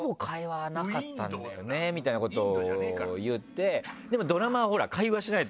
みたいなことを言ってでも。